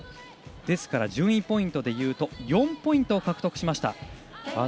ですから順位ポイントでいうと４ポイントを獲得しました。